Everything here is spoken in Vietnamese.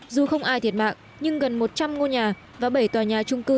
dù không ai thiệt mạng nhưng gần một trăm linh ngôi nhà và bảy tòa nhà trung cư